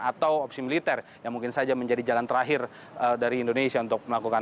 atau opsi militer yang mungkin saja menjadi jalan terakhir dari indonesia untuk melakukan